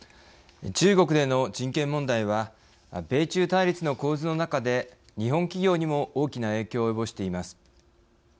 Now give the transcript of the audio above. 中国での人権侵害が米中対立の構図の中で日本企業にも大きな影響を及ぼしています。